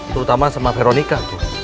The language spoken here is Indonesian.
terutama sama veronica